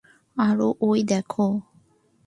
আরে, ঐ দেখ!